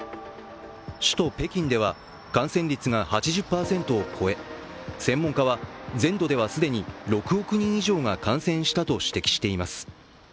首都・北京では感染率が８０％を超え専門家は全土では既に６億人以上が感染したと指摘しています。